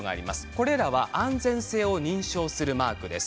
これらは安全性を認証するマークです。